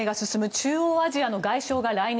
中央アジアの外相が来日。